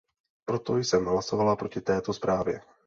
Proto jsem hlasovala proti této zprávě.